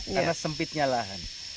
karena sempitnya lahan